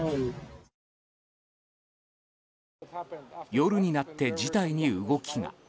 夜になって事態に動きが。